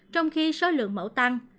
trong khi số lượng mẫu tăng